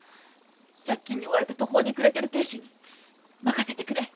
借金に追われて途方に暮れてる亭主に任せてくれ。